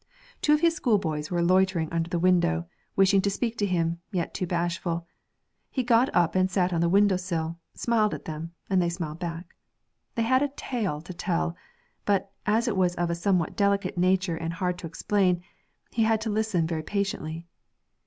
Two of his schoolboys were loitering under the window, wishing to speak to him, yet too bashful; he got up and sat on the window sill, smiled at them, and they smiled back. They had a tale to tell; but, as it was of a somewhat delicate nature and hard to explain, he had to listen very patiently.